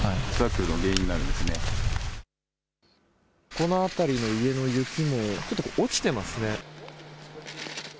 この辺りの家の雪もちょっと落ちてますね。